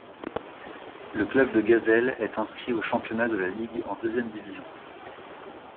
Le club de Gazelle est inscrit au championnat de la ligue en deuxième division.